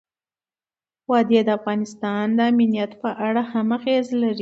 وادي د افغانستان د امنیت په اړه هم اغېز لري.